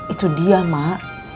itu dia mak